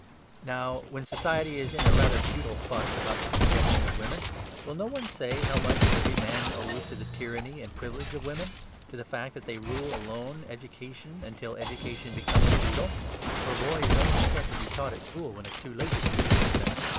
Now, when society is in a rather futile fuss about the subjection of women, will no one say how much every man owes to the tyranny and privilege of women, to the fact that they alone rule education until education becomes futile: for a boy is only sent to be taught at school when it is too late to teach him anything.